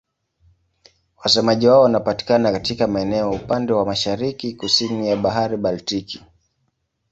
Wasemaji wao wanapatikana katika maeneo upande wa mashariki-kusini ya Bahari Baltiki.